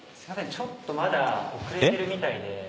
ちょっとまだ遅れてるみたいで。